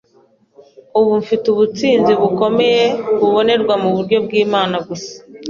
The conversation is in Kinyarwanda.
Ubu mfite ubutsinzi bukomeye bubonerwa mu buntu bw’Imana gusa